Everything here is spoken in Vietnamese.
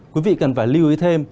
quý vị cần phải lưu ý thêm